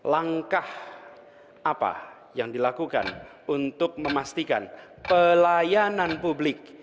langkah apa yang dilakukan untuk memastikan pelayanan publik